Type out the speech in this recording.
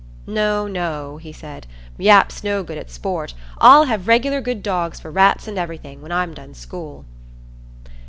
"No, no," he said, "Yap's no good at sport. I'll have regular good dogs for rats and everything, when I've done school."